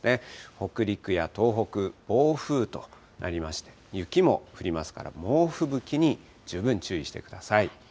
北陸や東北、暴風となりまして、雪も降りますから、猛吹雪に十分注意してください。